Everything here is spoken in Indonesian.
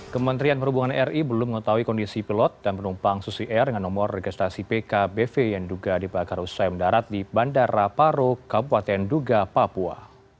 kementerian perhubungan ri belum mengetahui kondisi pilot dan penumpang susi air dengan nomor registrasi pkbv yang duga dibakar usai mendarat di bandara paro kabupaten duga papua